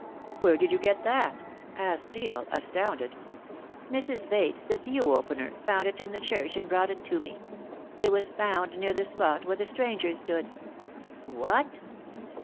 "Where did you get that?" asked Steel, astounded. "Mrs. Bates, the pew opener, found it in the church and brought it to me. It was found near the spot where the stranger stood." "What?"